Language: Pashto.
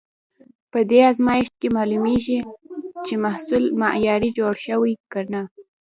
په دې ازمېښت کې معلومېږي، چې محصول معیاري جوړ شوی که نه.